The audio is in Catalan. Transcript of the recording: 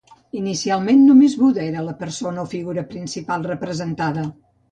Inicialment, només Buda era la persona o figura principal representada.